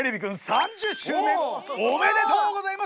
３０周年おめでとうございます！